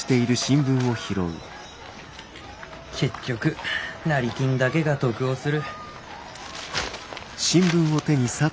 結局成金だけが得をする。